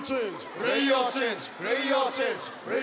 プレーヤーチェンジプレーヤーチェンジ。